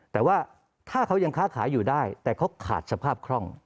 แต่ว่าถ้าเขายังค้าขายอยู่ได้แต่เขาขาดสภาพคล่อง